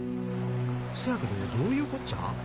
せやけどどういうこっちゃ？